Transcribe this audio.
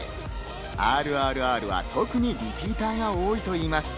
『ＲＲＲ』は特にリピーターが多いといいます。